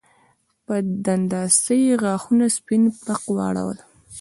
په دنداسه یې غاښونه سپین پړق واړول